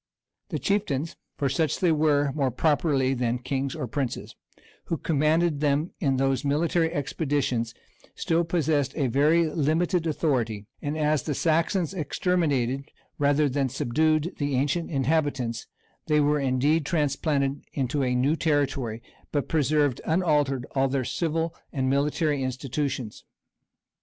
The chieftains, (for such they were, more properly than kings or princes,) who commanded them in those military expeditions, still possessed a very limited authority; and as the Saxons exterminated, rather than subdued, the ancient inhabitants, they were indeed transplanted into a new territory, but preserved unaltered all their civil and military institutions.